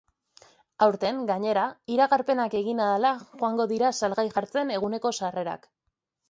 Aurten, gainera, iragarpenak egin ahala joango dira salgai jartzen eguneko sarrerak.